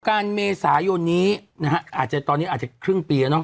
การเมนสายนี้ตอนนี้อาจจะครึ่งปีแล้วเนอะ